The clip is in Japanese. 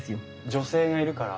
女性がいるから？